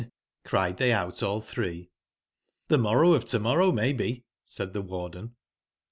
cried they out all tbrccjp 'Xhemorrowof to/morrow, maybe," said theOIar denj